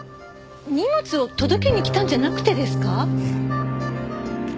荷物を届けに来たんじゃなくてですか？